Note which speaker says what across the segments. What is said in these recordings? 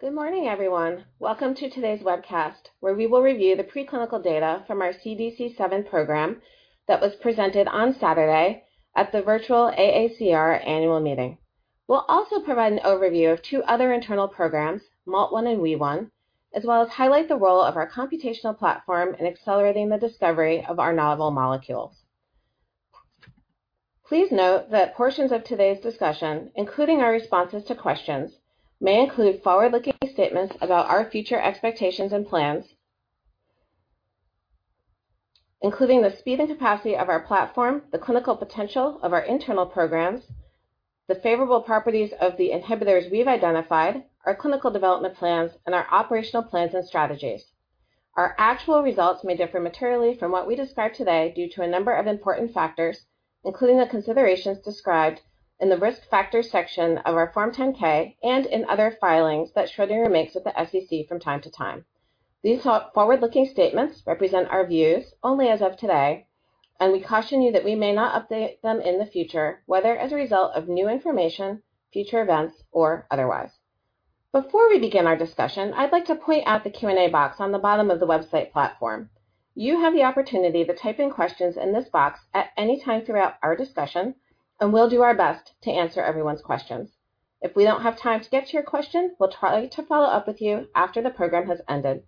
Speaker 1: Good morning, everyone. Welcome to today's webcast, where we will review the preclinical data from our CDC7 program that was presented on Saturday at the virtual AACR annual meeting. We'll also provide an overview of two other internal programs, MALT1 and WEE1, as well as highlight the role of our computational platform in accelerating the discovery of our novel molecules. Please note that portions of today's discussion, including our responses to questions, may include forward-looking statements about our future expectations and plans, including the speed and capacity of our platform, the clinical potential of our internal programs, the favorable properties of the inhibitors we've identified, our clinical development plans, and our operational plans and strategies. Our actual results may differ materially from what we describe today due to a number of important factors, including the considerations described in the Risk Factors section of our Form 10-K and in other filings that Schrödinger makes with the SEC from time to time. These forward-looking statements represent our views only as of today, and we caution you that we may not update them in the future, whether as a result of new information, future events, or otherwise. Before we begin our discussion, I'd like to point out the Q&A box on the bottom of the website platform. You have the opportunity to type in questions in this box at any time throughout our discussion, and we'll do our best to answer everyone's questions. If we don't have time to get to your question, we'll try to follow up with you after the program has ended.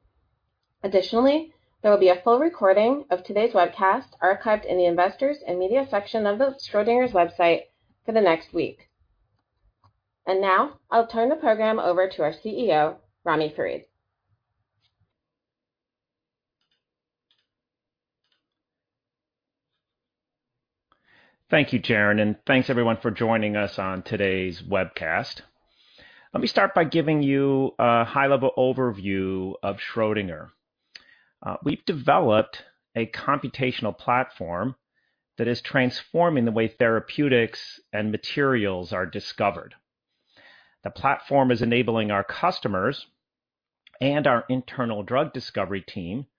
Speaker 1: Additionally, there will be a full recording of today's webcast archived in the Investors and Media section of the Schrödinger's website for the next week. Now I'll turn the program over to our CEO, Ramy Farid.
Speaker 2: Thank you, Jaren. Thanks everyone for joining us on today's webcast. Let me start by giving you a high-level overview of Schrödinger. We've developed a computational platform that is transforming the way therapeutics and materials are discovered. The platform is enabling our customers and our internal drug discovery team to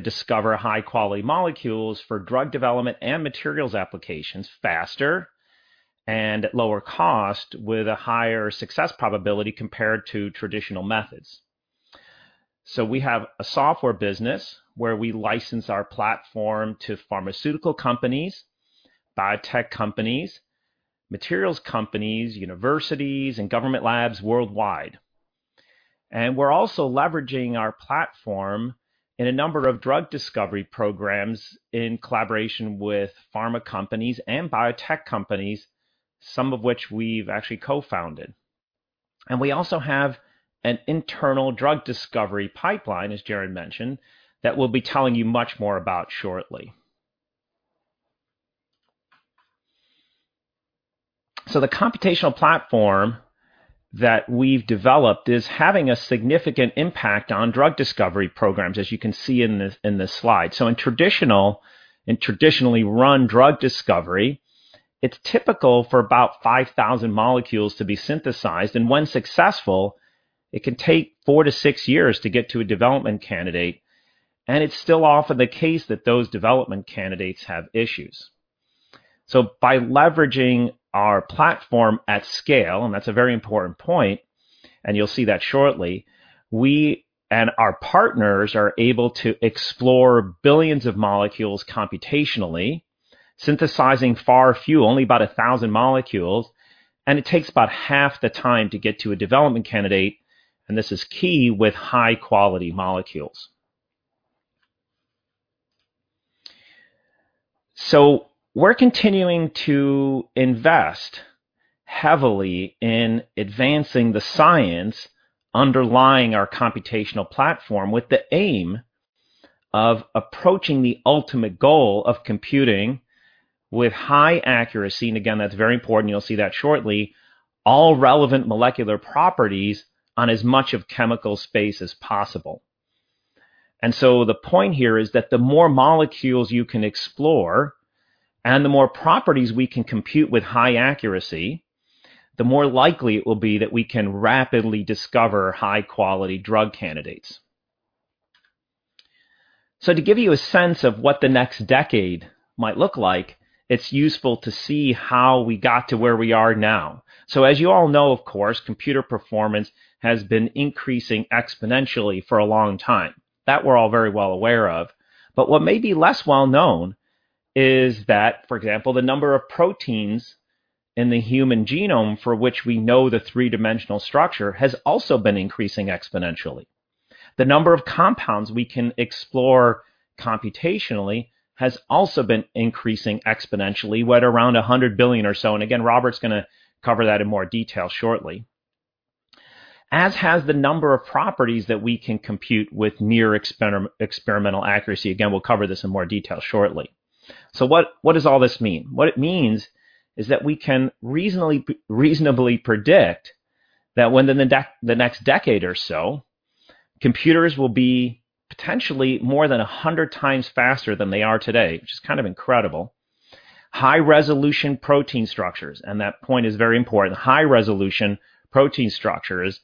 Speaker 2: discover high-quality molecules for drug development and materials applications faster and at lower cost with a higher success probability compared to traditional methods. We have a software business where we license our platform to pharmaceutical companies, biotech companies, materials companies, universities, and government labs worldwide. We're also leveraging our platform in a number of drug discovery programs in collaboration with pharma companies and biotech companies, some of which we've actually co-founded. We also have an internal drug discovery pipeline, as Jaren mentioned, that we'll be telling you much more about shortly. The computational platform that we've developed is having a significant impact on drug discovery programs, as you can see in this slide. In traditionally run drug discovery, it's typical for about 5,000 molecules to be synthesized, and when successful, it can take four to six years to get to a development candidate, and it's still often the case that those development candidates have issues. By leveraging our platform at scale, and that's a very important point, and you'll see that shortly, we and our partners are able to explore billions of molecules computationally, synthesizing far few, only about 1,000 molecules, and it takes about half the time to get to a development candidate, and this is key with high-quality molecules. We're continuing to invest heavily in advancing the science underlying our computational platform with the aim of approaching the ultimate goal of computing with high accuracy, and again, that's very important, you'll see that shortly, all relevant molecular properties on as much of chemical space as possible. The point here is that the more molecules you can explore and the more properties we can compute with high accuracy, the more likely it will be that we can rapidly discover high-quality drug candidates. To give you a sense of what the next decade might look like, it's useful to see how we got to where we are now. As you all know, of course, computer performance has been increasing exponentially for a long time. That we're all very well aware of. What may be less well known is that, for example, the number of proteins in the human genome for which we know the three-dimensional structure has also been increasing exponentially. The number of compounds we can explore computationally has also been increasing exponentially, we're at around 100 billion or so, and again, Robert's going to cover that in more detail shortly. As has the number of properties that we can compute with near experimental accuracy. Again, we'll cover this in more detail shortly. What does all this mean? What it means is that we can reasonably predict that within the next decade or so, computers will be potentially more than 100 times faster than they are today, which is kind of incredible. High-resolution protein structures, and that point is very important. High-resolution protein structures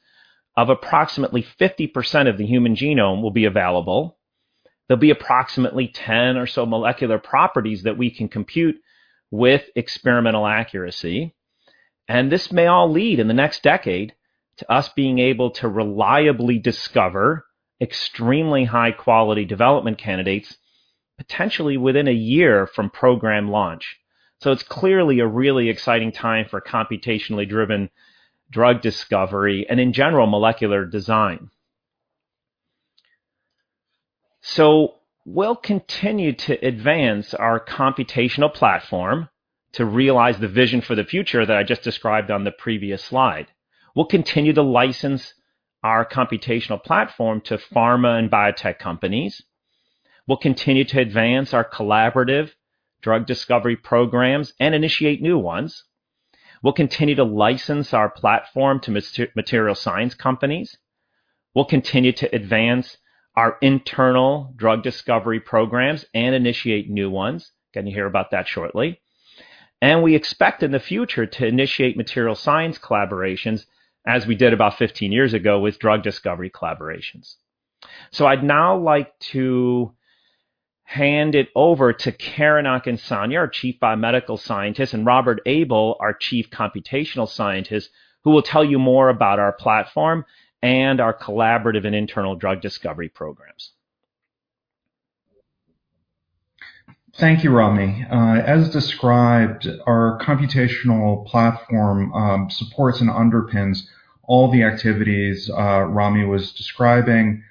Speaker 2: of approximately 50% of the human genome will be available. There'll be approximately 10 or so molecular properties that we can compute with experimental accuracy. This may all lead, in the next decade, to us being able to reliably discover extremely high-quality development candidates, potentially within a year from program launch. It's clearly a really exciting time for computationally driven drug discovery, and in general, molecular design. We'll continue to advance our computational platform to realize the vision for the future that I just described on the previous slide. We'll continue to license our computational platform to pharma and biotech companies. We'll continue to advance our collaborative drug discovery programs and initiate new ones. We'll continue to license our platform to material science companies. We'll continue to advance our internal drug discovery programs and initiate new ones. Going to hear about that shortly. We expect in the future to initiate material science collaborations, as we did about 15 years ago with drug discovery collaborations. I'd now like to hand it over to Karen Akinsanya, our Chief Biomedical Scientist, and Robert Abel, our Chief Computational Scientist, who will tell you more about our platform and our collaborative and internal drug discovery programs.
Speaker 3: Thank you, Ramy. As described, our computational platform supports and underpins all the activities Ramy was describing.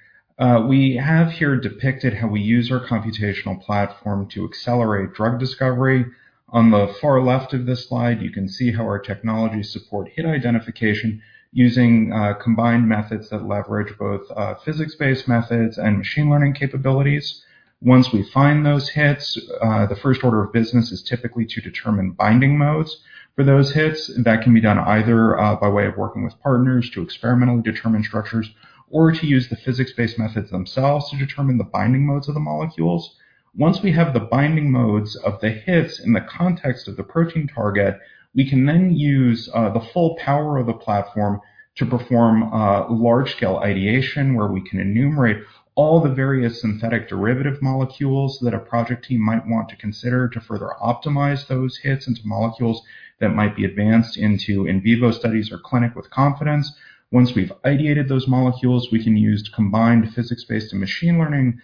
Speaker 3: We have here depicted how we use our computational platform to accelerate drug discovery. On the far left of this slide, you can see how our technologies support hit identification using combined methods that leverage both physics-based methods and machine learning capabilities. Once we find those hits, the first order of business is typically to determine binding modes for those hits. That can be done either by way of working with partners to experimentally determine structures or to use the physics-based methods themselves to determine the binding modes of the molecules. Once we have the binding modes of the hits in the context of the protein target, we can then use the full power of the platform to perform large-scale ideation, where we can enumerate all the various synthetic derivative molecules that a project team might want to consider to further optimize those hits into molecules that might be advanced into in vivo studies or clinic with confidence. Once we've ideated those molecules, we can use combined physics-based and machine learning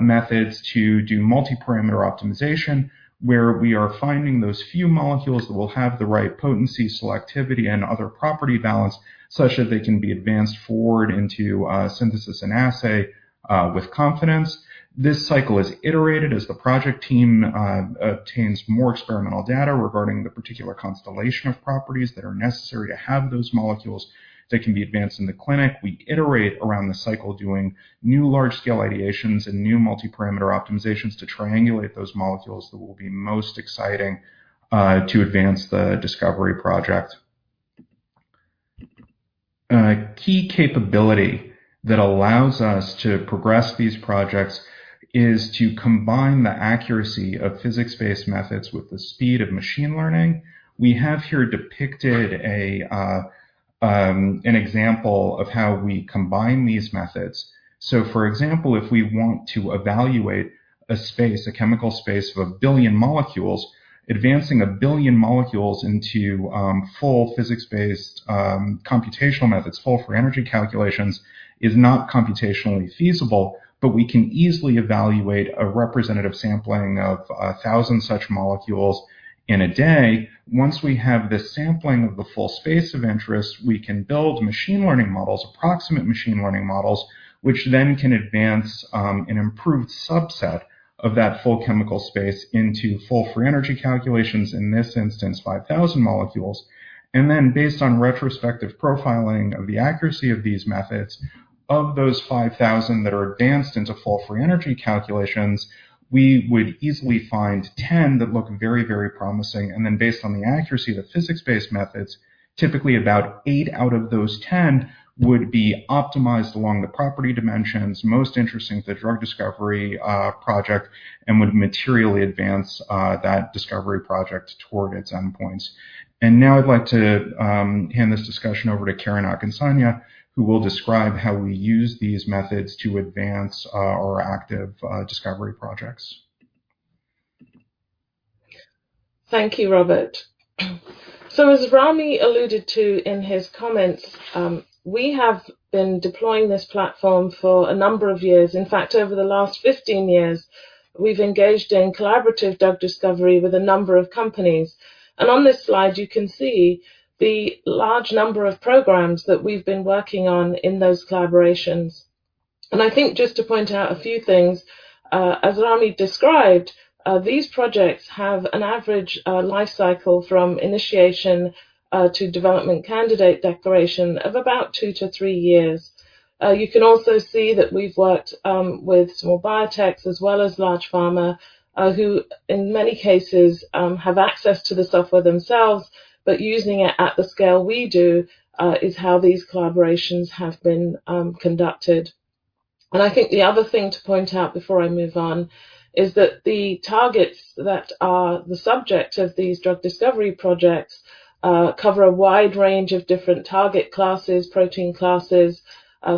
Speaker 3: methods to do multi-parameter optimization, where we are finding those few molecules that will have the right potency, selectivity, and other property balance, such that they can be advanced forward into synthesis and assay with confidence. This cycle is iterated as the project team obtains more experimental data regarding the particular constellation of properties that are necessary to have those molecules that can be advanced in the clinic. We iterate around the cycle doing new large-scale ideations and new multi-parameter optimizations to triangulate those molecules that will be most exciting to advance the discovery project. A key capability that allows us to progress these projects is to combine the accuracy of physics-based methods with the speed of machine learning. We have here depicted an example of how we combine these methods. For example, if we want to evaluate a space, a chemical space of 1 billion molecules, advancing 1 billion molecules into full physics-based computational methods, full free energy calculations, is not computationally feasible. We can easily evaluate a representative sampling of 1,000 such molecules in a day. Once we have this sampling of the full space of interest, we can build machine learning models, approximate machine learning models, which then can advance an improved subset of that full chemical space into full free energy calculations, in this instance, 5,000 molecules. Then based on retrospective profiling of the accuracy of these methods, of those 5,000 that are advanced into full free energy calculations, we would easily find 10 that look very promising. Then based on the accuracy of the physics-based methods, typically about eight out of those 10 would be optimized along the property dimensions most interesting to the drug discovery project and would materially advance that discovery project toward its endpoints. Now I'd like to hand this discussion over to Karen Akinsanya, who will describe how we use these methods to advance our active discovery projects.
Speaker 4: Thank you, Robert. As Ramy alluded to in his comments, we have been deploying this platform for a number of years. In fact, over the last 15 years, we've engaged in collaborative drug discovery with a number of companies. On this slide, you can see the large number of programs that we've been working on in those collaborations. I think just to point out a few things, as Ramy described, these projects have an average life cycle from initiation to development candidate declaration of about two to three years. You can also see that we've worked with small biotechs as well as large pharma, who in many cases, have access to the software themselves, but using it at the scale we do, is how these collaborations have been conducted. I think the other thing to point out before I move on is that the targets that are the subject of these drug discovery projects cover a wide range of different target classes, protein classes.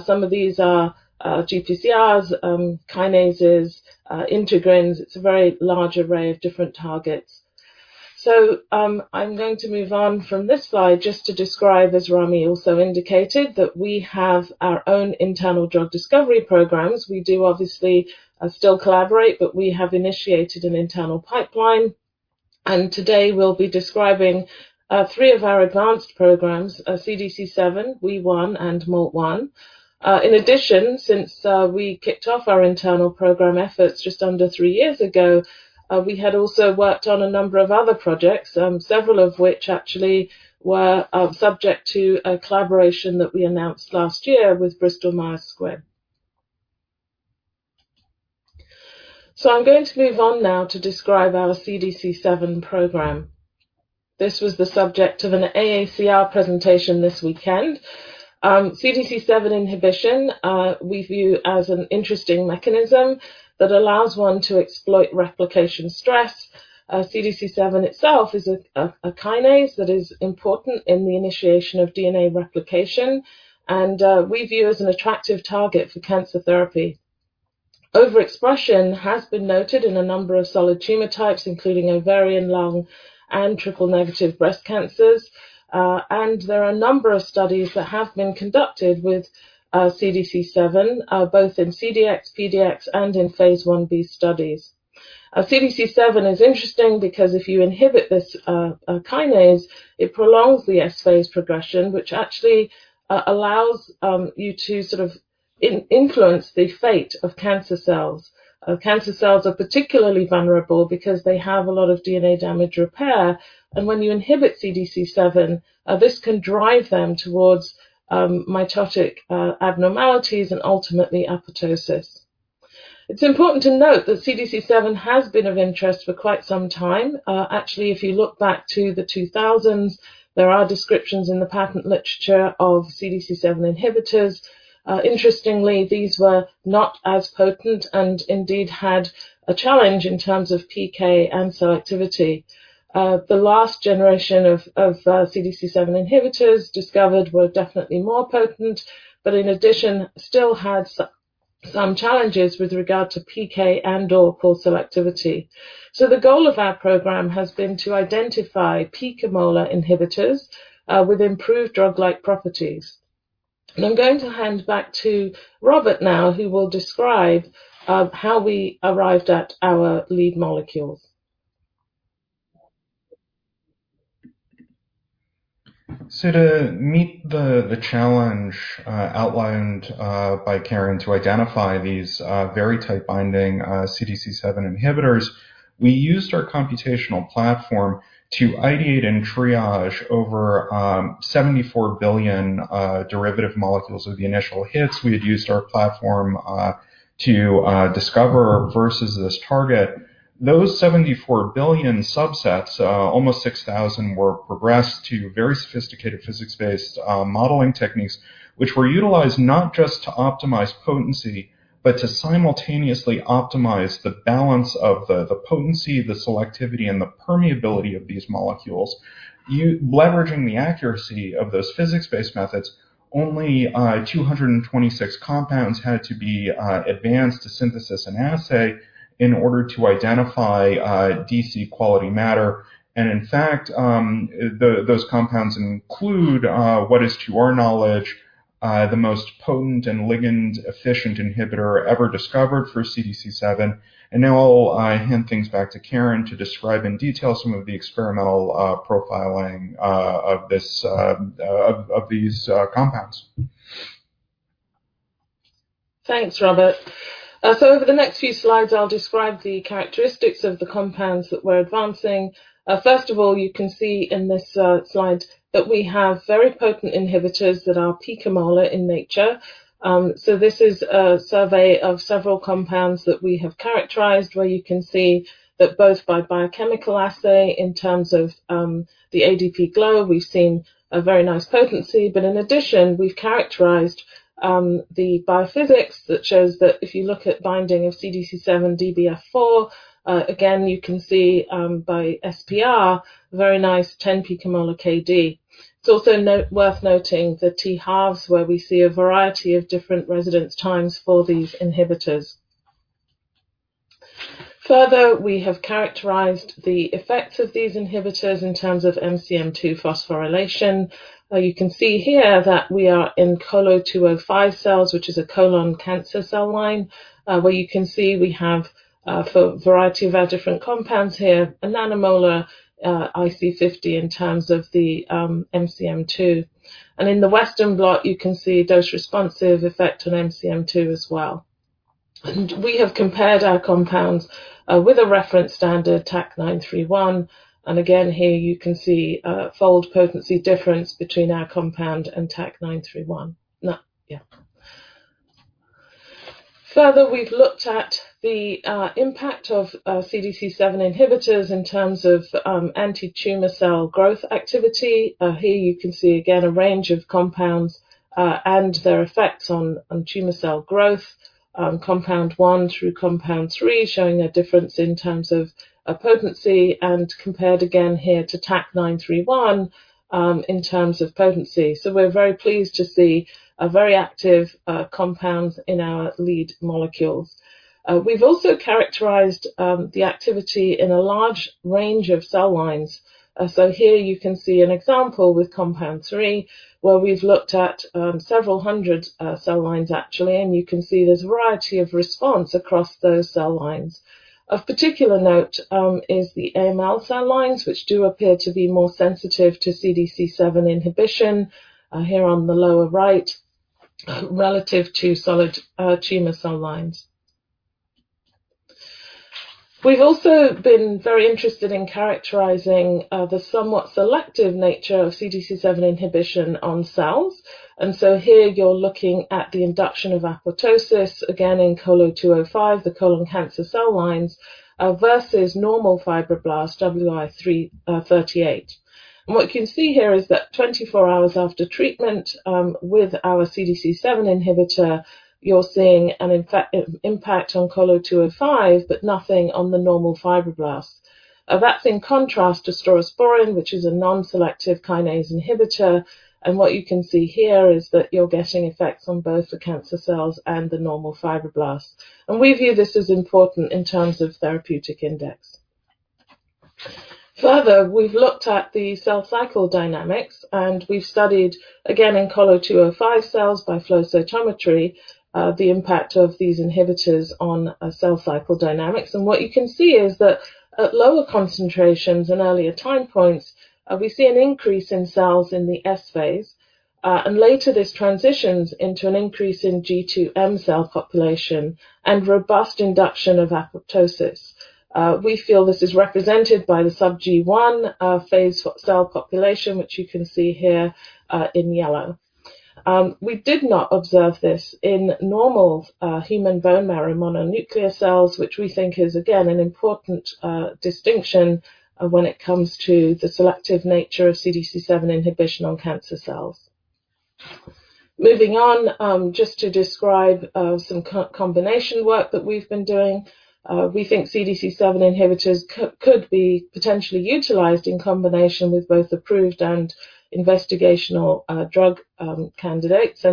Speaker 4: Some of these are GPCRs, kinases, integrins. It's a very large array of different targets. I'm going to move on from this slide just to describe, as Ramy also indicated, that we have our own internal drug discovery programs. We do obviously still collaborate, but we have initiated an internal pipeline, and today we'll be describing three of our advanced programs, CDC7, WEE1, and MALT1. In addition, since we kicked off our internal program efforts just under three years ago, we had also worked on a number of other projects, several of which actually were subject to a collaboration that we announced last year with Bristol Myers Squibb. I'm going to move on now to describe our CDC7 program. This was the subject of an AACR presentation this weekend. CDC7 inhibition, we view as an interesting mechanism that allows one to exploit replication stress. CDC7 itself is a kinase that is important in the initiation of DNA replication and we view as an attractive target for cancer therapy. Overexpression has been noted in a number of solid tumor types, including ovarian, lung, and triple-negative breast cancers. There are a number of studies that have been conducted with CDC7, both in CDX, PDX, and in phase I-B studies. CDC7 is interesting because if you inhibit this kinase, it prolongs the S-phase progression, which actually allows you to sort of influence the fate of cancer cells. Cancer cells are particularly vulnerable because they have a lot of DNA damage repair, and when you inhibit CDC7, this can drive them towards mitotic abnormalities and ultimately apoptosis. It's important to note that CDC7 has been of interest for quite some time. If you look back to the 2000s, there are descriptions in the patent literature of CDC7 inhibitors. Interestingly, these were not as potent and indeed had a challenge in terms of PK and selectivity. The last generation of CDC7 inhibitors discovered were definitely more potent, in addition, still had some challenges with regard to PK and/or poor selectivity. The goal of our program has been to identify picomolar inhibitors with improved drug-like properties. I'm going to hand back to Robert now, who will describe how we arrived at our lead molecules.
Speaker 3: To meet the challenge outlined by Karen to identify these very tight binding CDC7 inhibitors, we used our computational platform to ideate and triage over 74 billion derivative molecules of the initial hits. We had used our platform to discover versus this target. Those 74 billion subsets, almost 6,000, were progressed to very sophisticated physics-based modeling techniques, which were utilized not just to optimize potency, but to simultaneously optimize the balance of the potency, the selectivity, and the permeability of these molecules. Leveraging the accuracy of those physics-based methods, only 226 compounds had to be advanced to synthesis and assay in order to identify DC quality matter. In fact, those compounds include what is, to our knowledge, the most potent and ligand-efficient inhibitor ever discovered for CDC7. Now I'll hand things back to Karen to describe in detail some of the experimental profiling of these compounds.
Speaker 4: Thanks, Robert. Over the next few slides, I'll describe the characteristics of the compounds that we're advancing. First of all, you can see in this slide that we have very potent inhibitors that are picomolar in nature. This is a survey of several compounds that we have characterized, where you can see that both by biochemical assay, in terms of the ADP-Glo, we've seen a very nice potency, but in addition, we've characterized the biophysics that shows that if you look at binding of CDC7-Dbf4, again, you can see by SPR, very nice 10 picomolar KD. It's also worth noting the t halves where we see a variety of different residence times for these inhibitors. Further, we have characterized the effects of these inhibitors in terms of MCM2 phosphorylation. You can see here that we are in COLO 205 cells, which is a colon cancer cell line, where you can see we have a variety of our different compounds here, a nanomolar IC50 in terms of the MCM2. In the Western blot, you can see dose-responsive effect on MCM2 as well. We have compared our compounds with a reference standard, TAK-931. Again, here you can see a fold potency difference between our compound and TAK-931. Further, we've looked at the impact of CDC7 inhibitors in terms of anti-tumor cell growth activity. Here you can see again a range of compounds, and their effects on tumor cell growth. Compound 1 through Compound 3 showing a difference in terms of potency and compared again here to TAK-931 in terms of potency. We're very pleased to see very active compounds in our lead molecules. We've also characterized the activity in a large range of cell lines. Here you can see an example with compound three, where we've looked at several hundred cell lines, actually, and you can see there's a variety of response across those cell lines. Of particular note is the AML cell lines, which do appear to be more sensitive to CDC7 inhibition, here on the lower right, relative to solid tumor cell lines. We've also been very interested in characterizing the somewhat selective nature of CDC7 inhibition on cells. Here you're looking at the induction of apoptosis, again in COLO 205, the colon cancer cell lines, versus normal fibroblast WI-38. What you can see here is that 24 hours after treatment with our CDC7 inhibitor, you're seeing an impact on COLO 205, but nothing on the normal fibroblasts. That's in contrast to staurosporine, which is a non-selective kinase inhibitor. What you can see here is that you're getting effects on both the cancer cells and the normal fibroblasts. And we view this as important in terms of therapeutic index. Further, we've looked at the cell cycle dynamics, and we've studied, again in COLO 205 cells by flow cytometry, the impact of these inhibitors on cell cycle dynamics. What you can see is that at lower concentrations and earlier time points, we see an increase in cells in the S phase, and later this transitions into an increase in G2/M cell population and robust induction of apoptosis. We feel this is represented by the sub-G1 phase cell population, which you can see here in yellow. We did not observe this in normal human bone marrow mononuclear cells, which we think is again, an important distinction when it comes to the selective nature of CDC7 inhibition on cancer cells. Moving on, just to describe some combination work that we've been doing. We think CDC7 inhibitors could be potentially utilized in combination with both approved and investigational drug candidates.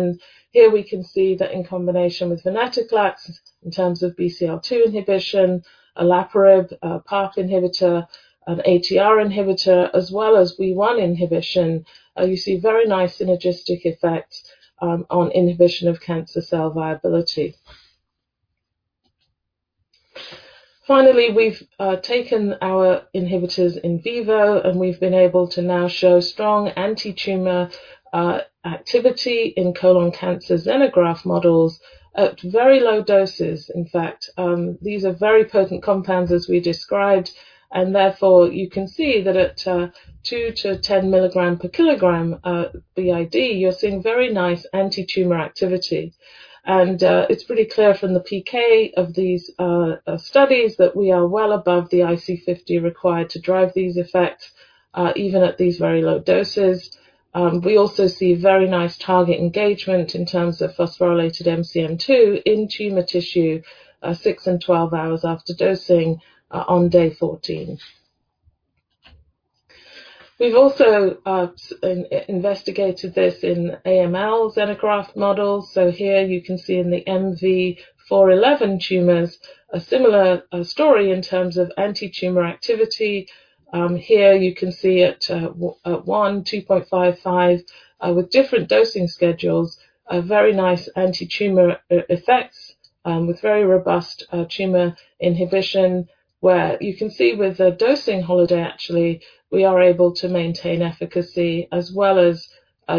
Speaker 4: Here we can see that in combination with venetoclax in terms of BCL-2 inhibition, olaparib, a PARP inhibitor, an ATR inhibitor as well as WEE1 inhibition, you see very nice synergistic effect on inhibition of cancer cell viability. Finally, we've taken our inhibitors in vivo, and we've been able to now show strong anti-tumor activity in colon cancer xenograft models at very low doses. In fact, these are very potent compounds as we described, therefore, you can see that at 2-10 mg/kg BID, you're seeing very nice anti-tumor activity. It's pretty clear from the PK of these studies that we are well above the IC50 required to drive these effects, even at these very low doses. We also see very nice target engagement in terms of phosphorylated MCM2 in tumor tissue, six and 12 hours after dosing on day 14. We've also investigated this in AML xenograft models. Here you can see in the MV-4-11 tumors a similar story in terms of anti-tumor activity. Here you can see at 1, 2.5, 5, with different dosing schedules, very nice anti-tumor effects, with very robust tumor inhibition, where you can see with a dosing holiday, actually, we are able to maintain efficacy as well as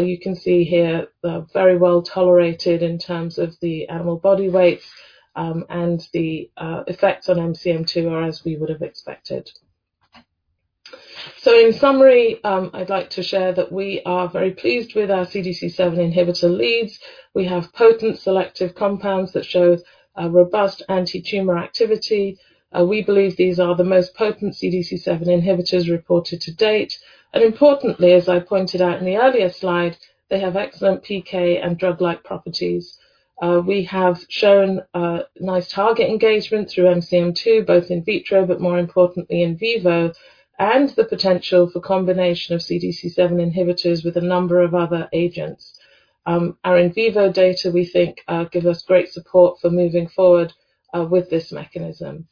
Speaker 4: you can see here, very well tolerated in terms of the animal body weight, and the effects on MCM2 are as we would have expected. In summary, I'd like to share that we are very pleased with our CDC7 inhibitor leads. We have potent selective compounds that show robust anti-tumor activity. We believe these are the most potent CDC7 inhibitors reported to date. Importantly, as I pointed out in the earlier slide, they have excellent PK and drug-like properties. We have shown nice target engagement through MCM2, both in vitro but more importantly in vivo, and the potential for combination of CDC7 inhibitors with a number of other agents. Our in vivo data, we think, gives us great support for moving forward with this mechanism.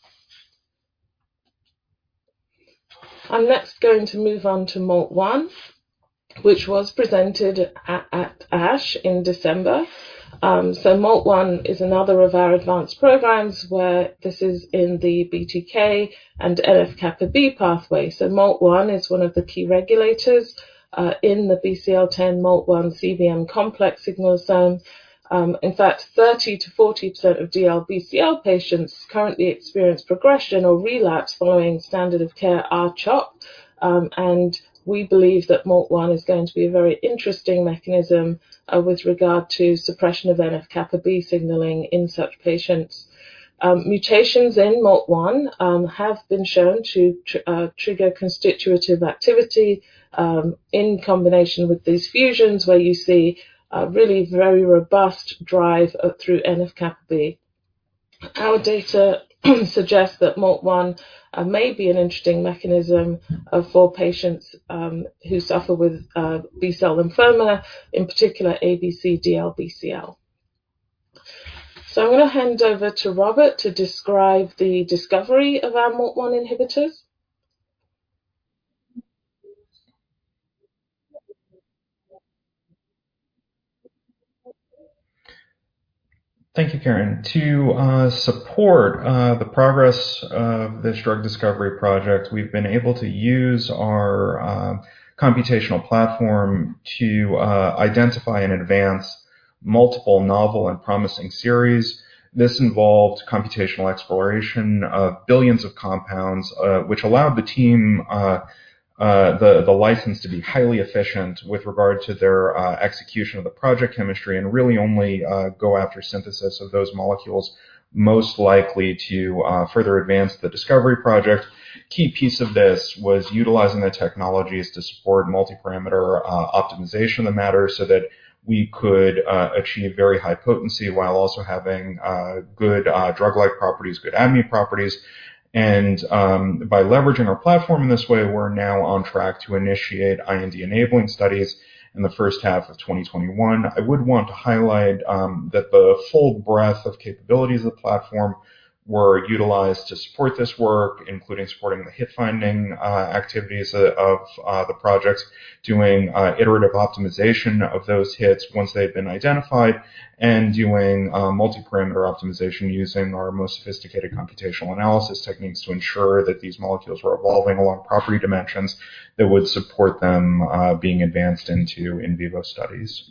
Speaker 4: I'm next going to move on to MALT1, which was presented at ASH in December. MALT1 is another of our advanced programs where this is in the BTK and NF-kappa B pathway. MALT1 is one of the key regulators in the BCL10-MALT1 CBM complex signalosome. In fact, 30%-40% of DLBCL patients currently experience progression or relapse following standard of care R-CHOP. We believe that MALT1 is going to be a very interesting mechanism with regard to suppression of NF-kappa B signaling in such patients. Mutations in MALT1 have been shown to trigger constitutive activity in combination with these fusions where you see really very robust drive through NF-kappa B. Our data suggests that MALT1 may be an interesting mechanism for patients who suffer with B-cell lymphoma, in particular ABC-DLBCL. I'm going to hand over to Robert to describe the discovery of our MALT1 inhibitors.
Speaker 3: Thank you, Karen. To support the progress of this drug discovery project, we've been able to use our computational platform to identify and advance multiple novel and promising series. This involved computational exploration of billions of compounds, which allowed the team the license to be highly efficient with regard to their execution of the project chemistry, really only go after synthesis of those molecules most likely to further advance the discovery project. Key piece of this was utilizing the technologies to support multi-parameter optimization of the matter that we could achieve very high potency while also having good drug-like properties, good ADME properties. By leveraging our platform in this way, we're now on track to initiate IND-enabling studies in the first half of 2021. I would want to highlight that the full breadth of capabilities of the platform were utilized to support this work, including supporting the hit finding activities of the projects, doing iterative optimization of those hits once they've been identified, and doing multi-parameter optimization using our most sophisticated computational analysis techniques to ensure that these molecules were evolving along property dimensions that would support them being advanced into in vivo studies.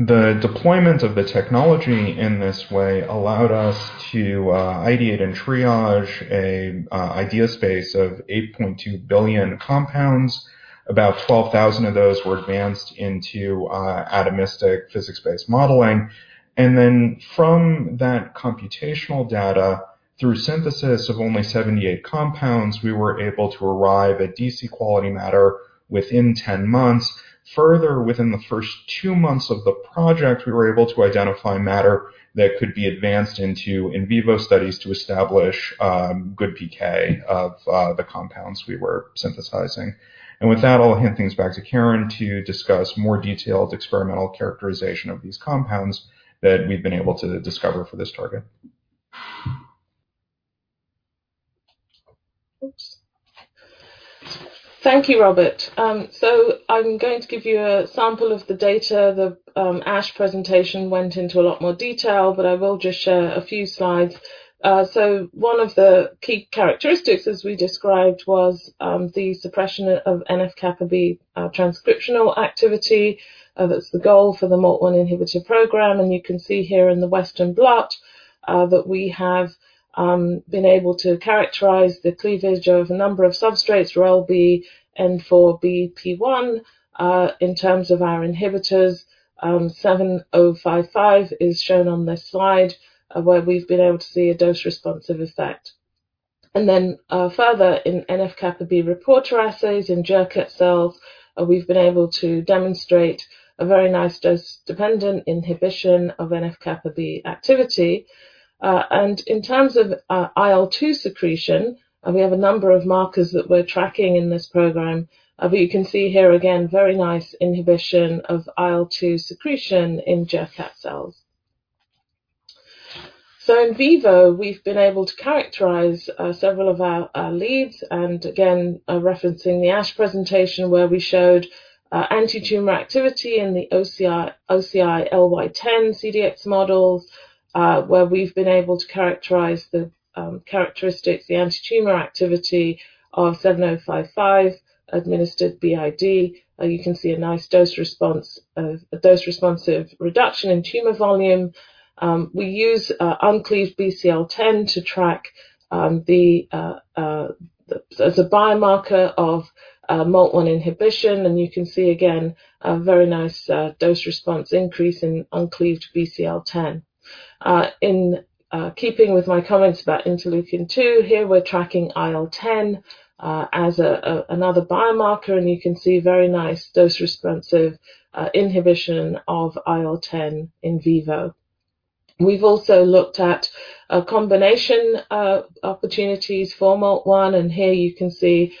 Speaker 3: The deployment of the technology in this way allowed us to ideate and triage a idea space of 8.2 billion compounds. About 12,000 of those were advanced into atomistic physics-based modeling. Then from that computational data, through synthesis of only 78 compounds, we were able to arrive at DC quality matter within 10 months. Within the first two months of the project, we were able to identify matter that could be advanced into in vivo studies to establish good PK of the compounds we were synthesizing. With that, I'll hand things back to Karen to discuss more detailed experimental characterization of these compounds that we've been able to discover for this target.
Speaker 4: Thank you, Robert. I'm going to give you a sample of the data. The ASH presentation went into a lot more detail, I will just share a few slides. One of the key characteristics as we described was the suppression of NF-kappa B transcriptional activity. That's the goal for the MALT1 inhibitor program, you can see here in the western blot that we have been able to characterize the cleavage of a number of substrates, RelB, N4BP1. In terms of our inhibitors, 7055 is shown on this slide, where we've been able to see a dose-responsive effect. Further in NF-kappa B reporter assays in Jurkat cells, we've been able to demonstrate a very nice dose-dependent inhibition of NF-kappa B activity. In terms of IL-2 secretion, we have a number of markers that we're tracking in this program, but you can see here, again, very nice inhibition of IL-2 secretion in Jurkat cells. In vivo, we've been able to characterize several of our leads, and again, referencing the ASH presentation where we showed anti-tumor activity in the OCI-LY10 CDX models, where we've been able to characterize the characteristics, the anti-tumor activity of 7055 administered BID. You can see a nice dose-responsive reduction in tumor volume. We use uncleaved BCL10 as a biomarker of MALT1 inhibition. You can see again, a very nice dose-response increase in uncleaved BCL10. In keeping with my comments about interleukin-2, here we're tracking IL-10 as another biomarker, and you can see very nice dose-responsive inhibition of IL-10 in vivo. We've also looked at combination opportunities for MALT1. Here you can see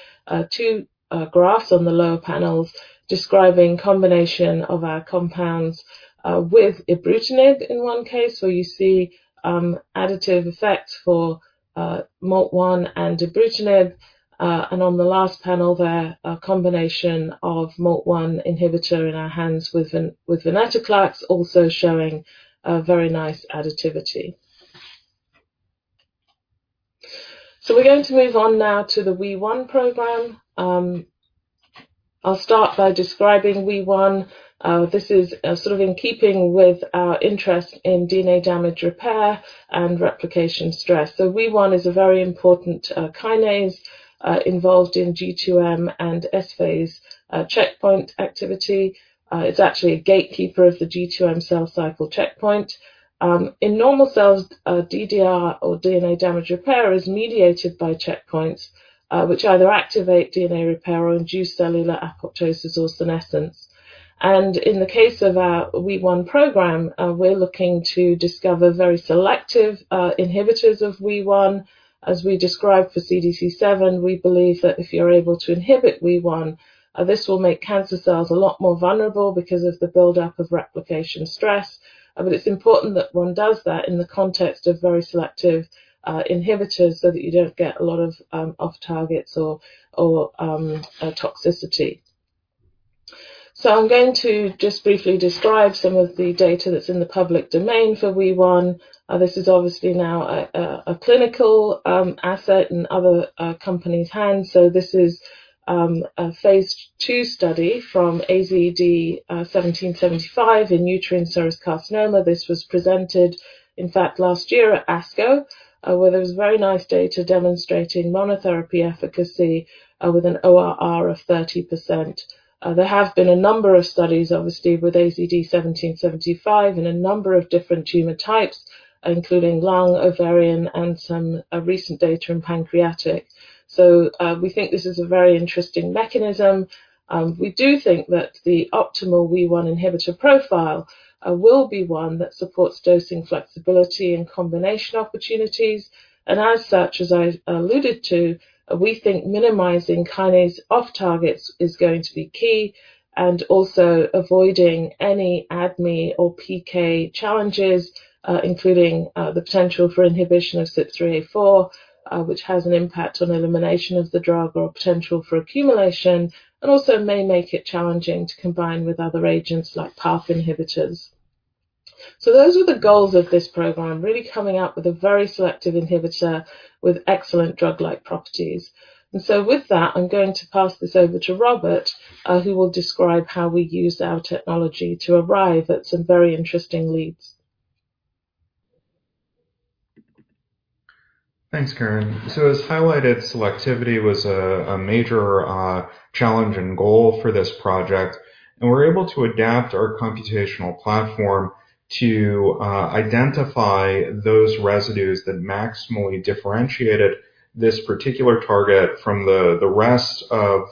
Speaker 4: two graphs on the lower panels describing combination of our compounds with ibrutinib in one case, where you see additive effect for MALT1 and ibrutinib. On the last panel there, a combination of MALT1 inhibitor in our hands with venetoclax also showing a very nice additivity. We're going to move on now to the WEE1 program. I'll start by describing WEE1. This is sort of in keeping with our interest in DNA damage repair and replication stress. WEE1 is a very important kinase involved in G2/M and S-phase checkpoint activity. It's actually a gatekeeper of the G2/M cell cycle checkpoint. In normal cells, DDR or DNA Damage Repair is mediated by checkpoints, which either activate DNA repair or induce cellular apoptosis or senescence. In the case of our WEE1 program, we're looking to discover very selective inhibitors of WEE1. As we described for CDC7, we believe that if you're able to inhibit WEE1, this will make cancer cells a lot more vulnerable because of the buildup of replication stress. It's important that one does that in the context of very selective inhibitors so that you don't get a lot of off-targets or toxicity. I'm going to just briefly describe some of the data that's in the public domain for WEE1. This is obviously now a clinical asset in other companies' hands. This is a phase II study from AZD1775 in uterine serous carcinoma. This was presented, in fact, last year at ASCO, where there was very nice data demonstrating monotherapy efficacy with an ORR of 30%. There have been a number of studies, obviously, with AZD1775 in a number of different tumor types, including lung, ovarian, and some recent data in pancreatic. We think this is a very interesting mechanism. We do think that the optimal WEE1 inhibitor profile will be one that supports dosing flexibility and combination opportunities. And as such, as I alluded to, we think minimizing kinase off-targets is going to be key, and also avoiding any ADME or PK challenges, including the potential for inhibition of CYP3A4 which has an impact on elimination of the drug or potential for accumulation, and also may make it challenging to combine with other agents like PARP inhibitors. Those are the goals of this program, really coming up with a very selective inhibitor with excellent drug-like properties. With that, I'm going to pass this over to Robert, who will describe how we used our technology to arrive at some very interesting leads.
Speaker 3: Thanks, Karen. As highlighted, selectivity was a major challenge and goal for this project. We were able to adapt our computational platform to identify those residues that maximally differentiated this particular target from the rest of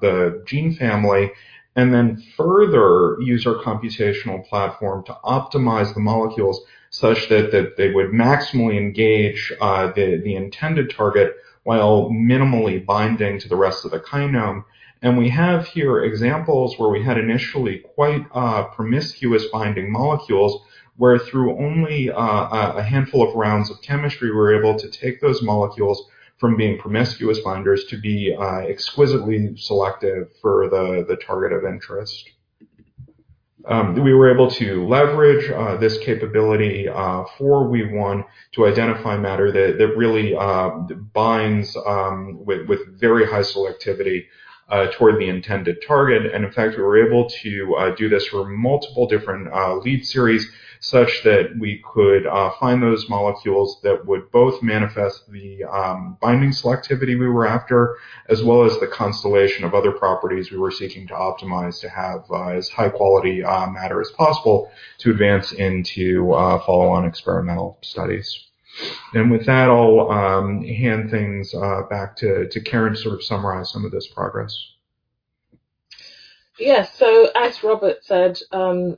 Speaker 3: the gene family, then further use our computational platform to optimize the molecules such that they would maximally engage the intended target while minimally binding to the rest of the kinome. We have here examples where we had initially quite promiscuous binding molecules, where through only a handful of rounds of chemistry, we were able to take those molecules from being promiscuous binders to be exquisitely selective for the target of interest. We were able to leverage this capability for WEE1 to identify a matter that really binds with very high selectivity toward the intended target. In fact, we were able to do this for multiple different lead series, such that we could find those molecules that would both manifest the binding selectivity we were after, as well as the constellation of other properties we were seeking to optimize to have as high quality matter as possible to advance into follow-on experimental studies. With that, I'll hand things back to Karen to sort of summarize some of this progress.
Speaker 4: Yeah. As Robert said,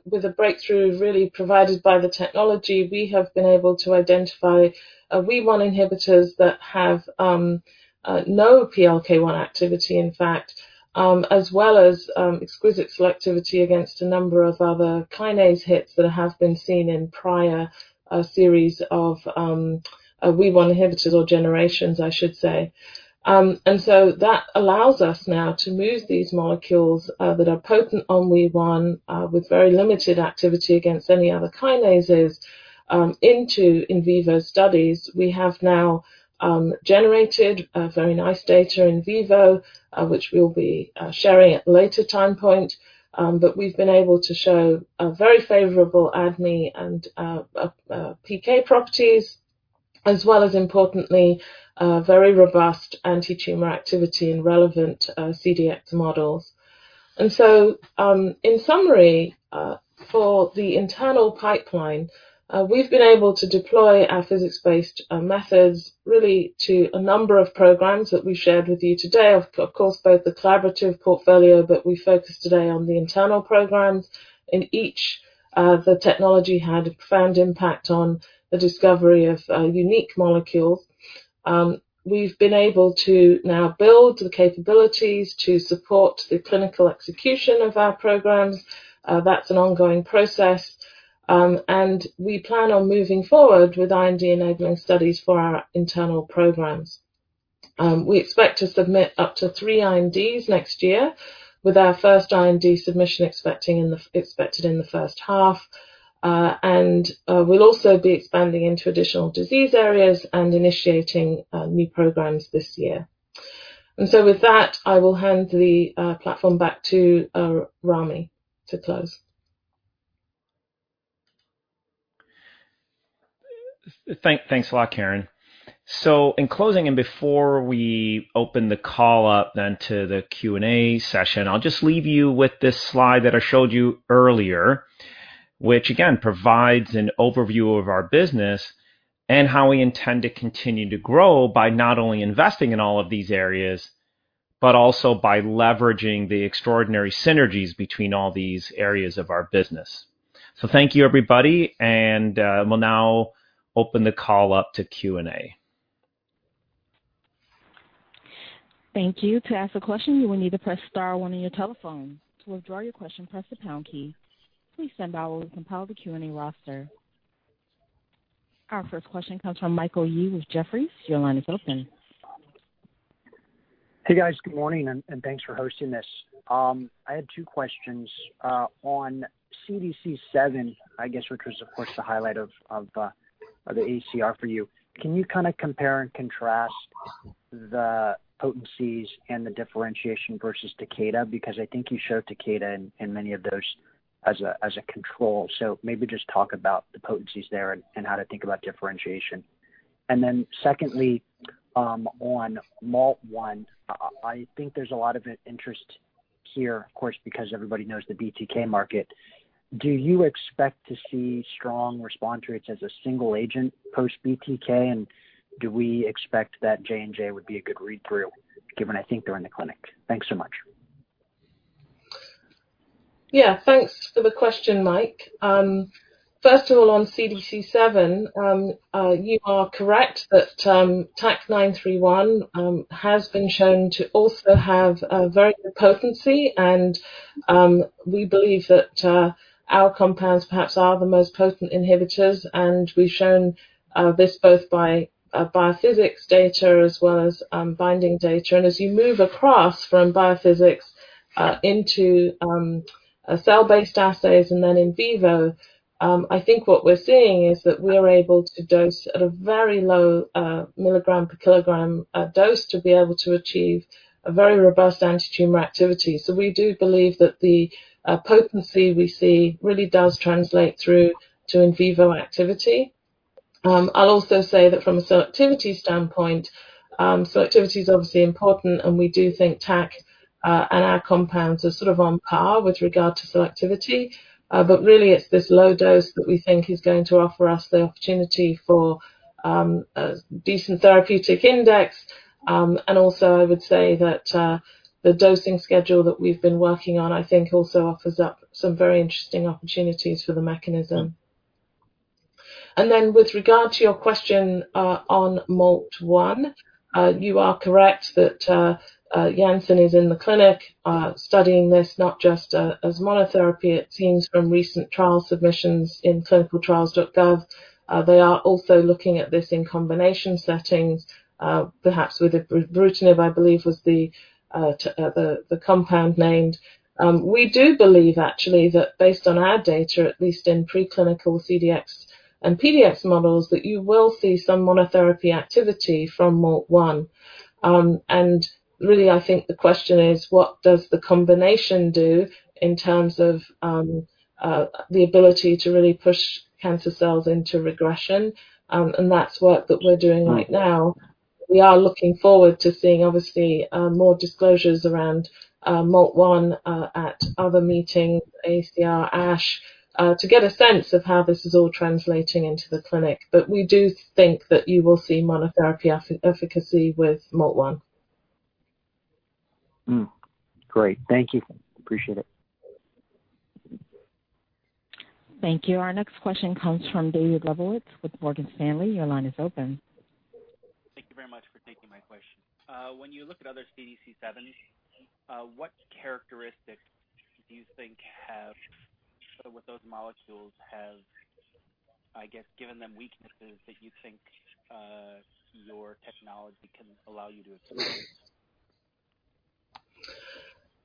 Speaker 4: with a breakthrough really provided by the technology, we have been able to identify WEE1 inhibitors that have no PLK1 activity, in fact, as well as exquisite selectivity against a number of other kinase hits that have been seen in prior series of WEE1 inhibitors or generations, I should say. That allows us now to move these molecules that are potent on WEE1 with very limited activity against any other kinases into in vivo studies. We have now generated very nice data in vivo, which we'll be sharing at a later time point. We've been able to show a very favorable ADME and PK properties, as well as importantly, very robust antitumor activity in relevant CDX models. In summary, for the internal pipeline, we've been able to deploy our physics-based methods really to a number of programs that we've shared with you today. Of course, both the collaborative portfolio, but we focused today on the internal programs. In each, the technology had a profound impact on the discovery of unique molecules. We've been able to now build the capabilities to support the clinical execution of our programs. That's an ongoing process. We plan on moving forward with IND-enabling studies for our internal programs. We expect to submit up to three INDs next year, with our first IND submission expected in the first half. We'll also be expanding into additional disease areas and initiating new programs this year. With that, I will hand the platform back to Ramy to close.
Speaker 2: Thanks a lot, Karen. In closing, and before we open the call up then to the Q&A session, I'll just leave you with this slide that I showed you earlier, which again provides an overview of our business and how we intend to continue to grow by not only investing in all of these areas, but also by leveraging the extraordinary synergies between all these areas of our business. Thank you everybody, and we'll now open the call up to Q&A.
Speaker 5: Thank you. To ask a question, you will need to press star one in your telephone. To withdraw your question, press the pound key. Please standby while we compile the Q&A roster. Our first question comes from Michael Yee with Jefferies. Your line is open.
Speaker 6: Hey, guys. Good morning, and thanks for hosting this. I had two questions. On CDC7, I guess, which was of course the highlight of the AACR for you, can you kind of compare and contrast the potencies and the differentiation versus Takeda? I think you showed Takeda in many of those as a control. Maybe just talk about the potencies there and how to think about differentiation. Secondly, on MALT1, I think there's a lot of interest here, of course, because everybody knows the BTK market. Do you expect to see strong response rates as a single agent post-BTK, and do we expect that J&J would be a good read-through given I think they're in the clinic? Thanks so much.
Speaker 4: Yeah, thanks for the question, Mike. First of all, on CDC7, you are correct that TAK-931 has been shown to also have a very good potency and we believe that our compounds perhaps are the most potent inhibitors, and we've shown this both by biophysics data as well as binding data. As you move across from biophysics into cell-based assays and then in vivo, I think what we're seeing is that we're able to dose at a very low milligram per kilogram dose to be able to achieve a very robust antitumor activity. We do believe that the potency we see really does translate through to in vivo activity. I'll also say that from a selectivity standpoint, selectivity is obviously important, and we do think TAK and our compounds are sort of on par with regard to selectivity. Really it's this low dose that we think is going to offer us the opportunity for a decent therapeutic index. Also I would say that the dosing schedule that we've been working on, I think also offers up some very interesting opportunities for the mechanism. Then with regard to your question on MALT1, you are correct that Janssen is in the clinic studying this not just as monotherapy. It seems from recent trial submissions in clinicaltrials.gov they are also looking at this in combination settings, perhaps with ibrutinib, I believe was the compound named. We do believe actually that based on our data, at least in preclinical CDX and PDX models, that you will see some monotherapy activity from MALT1. Really I think the question is what does the combination do in terms of the ability to really push cancer cells into regression? That's work that we're doing right now. We are looking forward to seeing, obviously, more disclosures around MALT1 at other meetings, AACR, ASH, to get a sense of how this is all translating into the clinic. We do think that you will see monotherapy efficacy with MALT1.
Speaker 6: Great. Thank you. Appreciate it.
Speaker 5: Thank you. Our next question comes from David Lebowitz with Morgan Stanley. Your line is open.
Speaker 7: Thank you very much for taking my question. When you look at other CDC7s, what characteristics do you think those molecules have, I guess, given them weaknesses that you think your technology can allow you to exploit?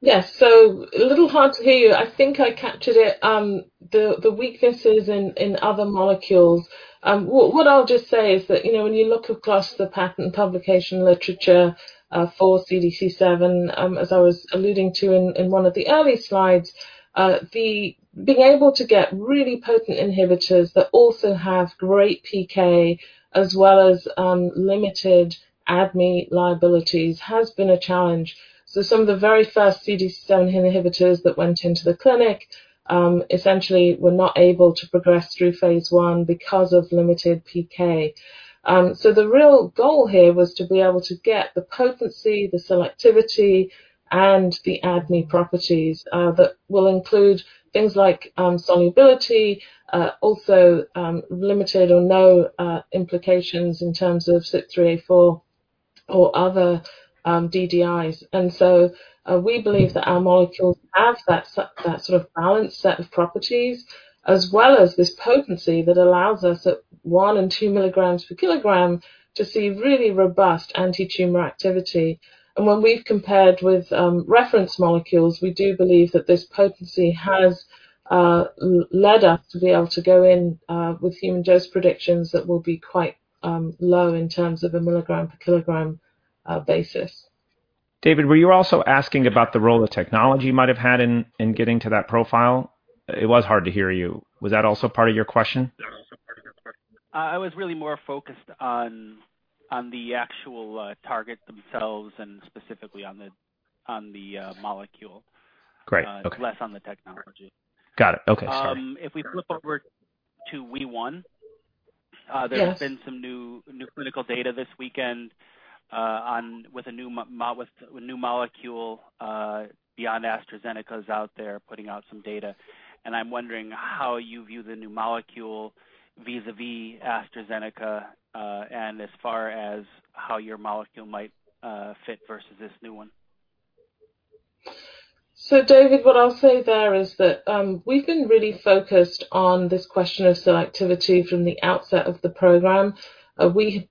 Speaker 4: Yes. A little hard to hear you. I think I captured it. The weaknesses in other molecules. What I'll just say is that when you look across the patent publication literature for CDC7, as I was alluding to in one of the early slides, being able to get really potent inhibitors that also have great PK as well as limited ADME liabilities has been a challenge. Some of the very first CDC7 inhibitors that went into the clinic essentially were not able to progress through phase I because of limited PK. The real goal here was to be able to get the potency, the selectivity, and the ADME properties that will include things like solubility also limited or no implications in terms of CYP3A4 or other DDIs. We believe that our molecules have that sort of balanced set of properties as well as this potency that allows us at 1 and 2 mg/kg to see really robust antitumor activity. When we've compared with reference molecules, we do believe that this potency has led us to be able to go in with human dose predictions that will be quite low in terms of a milligram per kilogram basis.
Speaker 2: David, were you also asking about the role the technology might have had in getting to that profile? It was hard to hear you. Was that also part of your question?
Speaker 7: I was really more focused on the actual target themselves and specifically on the molecule.
Speaker 2: Great. Okay.
Speaker 7: Less on the technology.
Speaker 2: Got it. Okay. Sorry.
Speaker 7: If we flip over to WEE1.
Speaker 4: Yes
Speaker 7: There's been some new clinical data this weekend with a new molecule. Beyond AstraZeneca's out there putting out some data, and I'm wondering how you view the new molecule vis-a-vis AstraZeneca. As far as how your molecule might fit versus this new one.
Speaker 4: David, what I'll say there is that we've been really focused on this question of selectivity from the outset of the program. We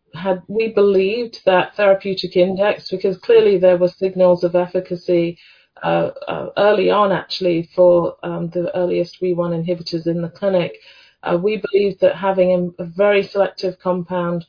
Speaker 4: believed that therapeutic index, because clearly there were signals of efficacy early on actually for the earliest WEE1 inhibitors in the clinic. We believed that having a very selective compound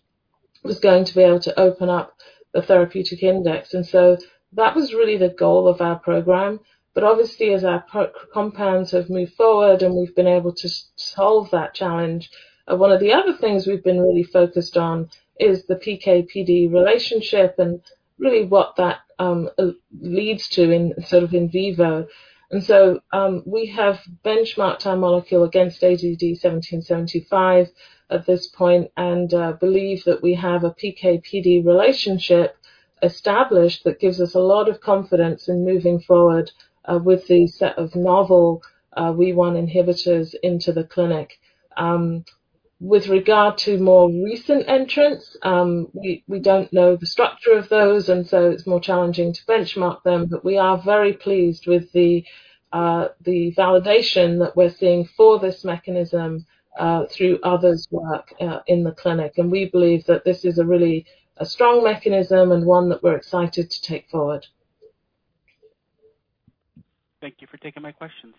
Speaker 4: was going to be able to open up the therapeutic index. That was really the goal of our program. Obviously as our compounds have moved forward and we've been able to solve that challenge, one of the other things we've been really focused on is the PK/PD relationship and really what that leads to in sort of in vivo. We have benchmarked our molecule against AZD1775 at this point and believe that we have a PK/PD relationship established that gives us a lot of confidence in moving forward with the set of novel WEE1 inhibitors into the clinic. With regard to more recent entrants, we don't know the structure of those, and so it's more challenging to benchmark them. We are very pleased with the validation that we're seeing for this mechanism through others' work in the clinic. We believe that this is a really a strong mechanism and one that we're excited to take forward.
Speaker 7: Thank you for taking my questions.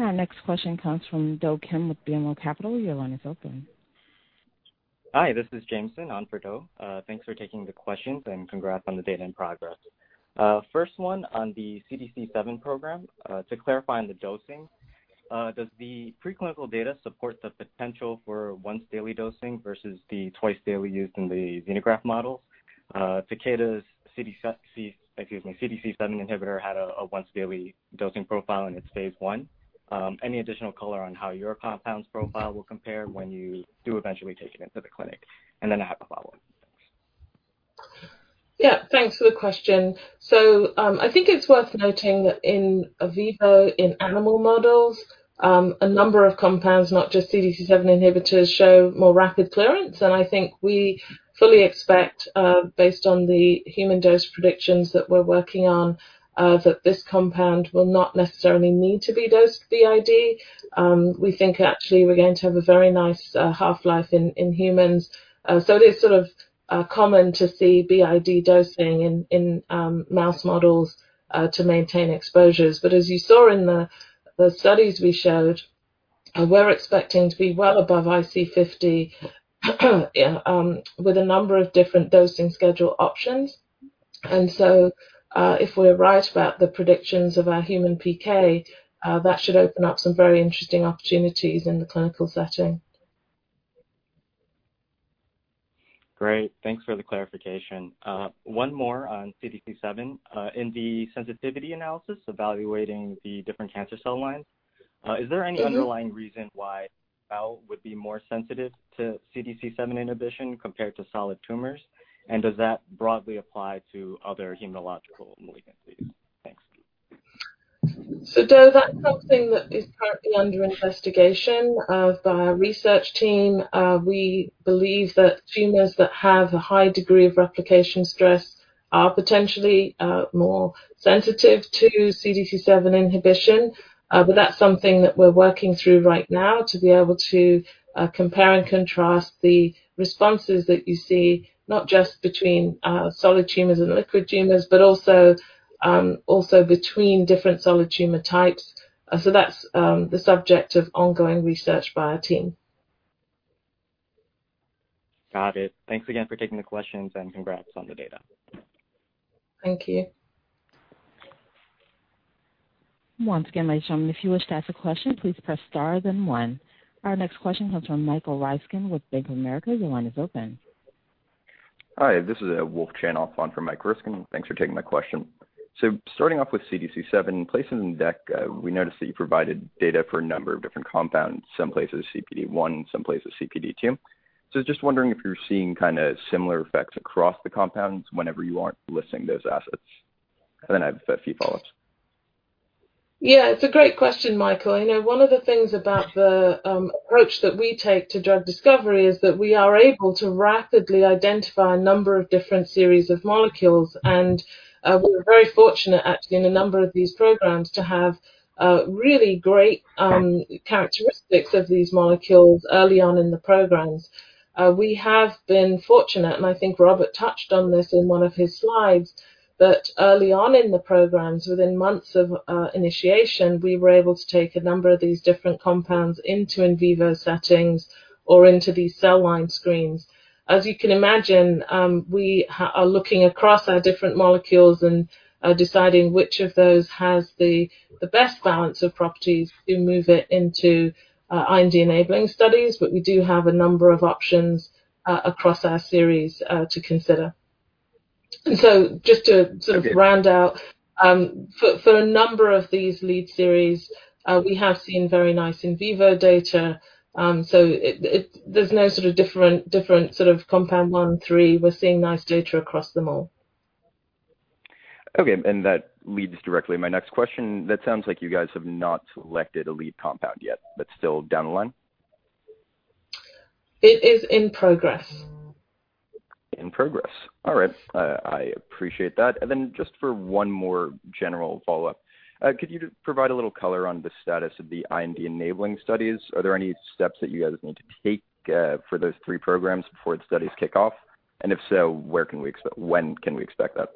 Speaker 5: Our next question comes from Do Kim with BMO Capital. Your line is open.
Speaker 8: Hi, this is Jameson on for Do. Thanks for taking the questions and congrats on the data and progress. First one on the CDC7 program. To clarify on the dosing, does the preclinical data support the potential for once-daily dosing versus the twice-daily used in the xenograft model? Takeda's, excuse me, CDC7 inhibitor had a once-daily dosing profile in its phase I. Any additional color on how your compound's profile will compare when you do eventually take it into the clinic? I have a follow-up. Thanks.
Speaker 4: Yeah, thanks for the question. I think it's worth noting that in vivo in animal models, a number of compounds, not just CDC7 inhibitors, show more rapid clearance. I think we fully expect, based on the human dose predictions that we're working on, that this compound will not necessarily need to be dosed BID. We think actually we're going to have a very nice half-life in humans. It is sort of common to see BID dosing in mouse models to maintain exposures. As you saw in the studies we showed, we're expecting to be well above IC50 with a number of different dosing schedule options. If we're right about the predictions of our human PK, that should open up some very interesting opportunities in the clinical setting.
Speaker 8: Great. Thanks for the clarification. One more on CDC7. In the sensitivity analysis evaluating the different cancer cell lines, is there any underlying reason why B-ALL would be more sensitive to CDC7 inhibition compared to solid tumors? Does that broadly apply to other hematological malignancies? Thanks.
Speaker 4: That's something that is currently under investigation by our research team. We believe that tumors that have a high degree of replication stress are potentially more sensitive to CDC7 inhibition. That's something that we're working through right now to be able to compare and contrast the responses that you see, not just between solid tumors and liquid tumors, but also between different solid tumor types. That's the subject of ongoing research by our team.
Speaker 8: Got it. Thanks again for taking the questions and congrats on the data.
Speaker 4: Thank you.
Speaker 5: Once again, ladies and gentlemen, if you wish to ask a question, please press star then one. Our next question comes from Michael Ryskin with Bank of America. Your line is open
Speaker 9: Hi, this is Wolf Chanoff on for Mike Ryskin. Thanks for taking my question. Starting off with CDC7 places in the deck, we noticed that you provided data for a number of different compounds, some places CPD I, some places CPD II. Just wondering if you're seeing kind of similar effects across the compounds whenever you aren't listing those assets? Then I have a few follow-ups.
Speaker 4: Yeah, it's a great question, Michael. One of the things about the approach that we take to drug discovery is that we are able to rapidly identify a number of different series of molecules. We were very fortunate, actually, in a number of these programs to have really great characteristics of these molecules early on in the programs. We have been fortunate, and I think Robert touched on this in one of his slides, that early on in the programs, within months of initiation, we were able to take a number of these different compounds into in vivo settings or into these cell line screens. As you can imagine, we are looking across our different molecules and deciding which of those has the best balance of properties to move it into IND enabling studies. We do have a number of options across our series, to consider. Just to sort of round out, for a number of these lead series, we have seen very nice in vivo data. There's no sort of different sort of compound one, three. We're seeing nice data across them all.
Speaker 9: Okay, that leads directly to my next question. That sounds like you guys have not selected a lead compound yet. That's still down the line?
Speaker 4: It is in progress.
Speaker 9: In progress. All right, I appreciate that. Just for one more general follow-up, could you provide a little color on the status of the IND enabling studies? Are there any steps that you guys need to take for those three programs before the studies kick off? If so, when can we expect that?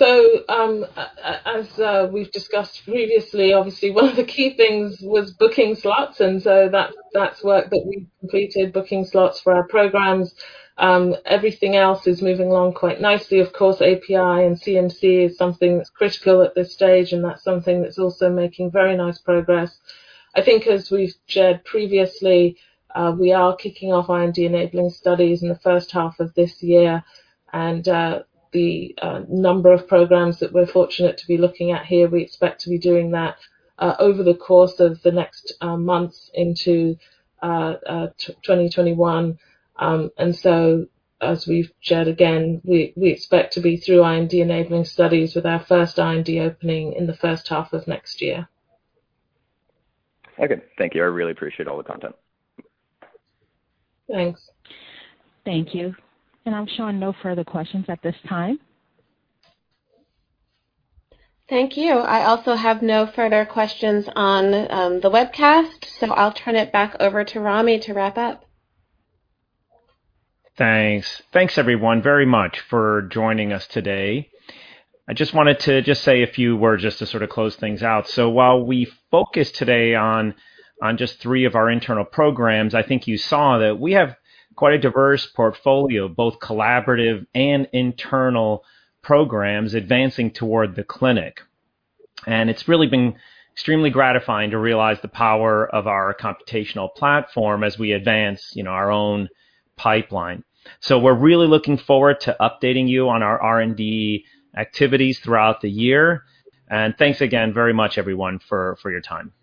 Speaker 4: As we've discussed previously, obviously one of the key things was booking slots, that's work that we've completed, booking slots for our programs. Everything else is moving along quite nicely. Of course, API and CMC is something that's critical at this stage, and that's something that's also making very nice progress. I think as we've shared previously, we are kicking off IND enabling studies in the first half of this year. The number of programs that we're fortunate to be looking at here, we expect to be doing that over the course of the next months into 2021. As we've shared, again, we expect to be through IND enabling studies with our first IND opening in the first half of next year.
Speaker 9: Okay. Thank you. I really appreciate all the content.
Speaker 4: Thanks.
Speaker 5: Thank you. I'm showing no further questions at this time.
Speaker 1: Thank you. I also have no further questions on the webcast, so I'll turn it back over to Ramy to wrap up.
Speaker 2: Thanks. Thanks everyone very much for joining us today. I just wanted to just say a few words just to sort of close things out. While we focused today on just three of our internal programs, I think you saw that we have quite a diverse portfolio, both collaborative and internal programs advancing toward the clinic. It's really been extremely gratifying to realize the power of our computational platform as we advance our own pipeline. We're really looking forward to updating you on our R&D activities throughout the year. Thanks again very much, everyone, for your time.